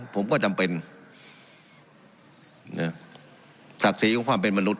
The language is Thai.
ผมก็จำเป็นนะศักดิ์ศรีของความเป็นมนุษ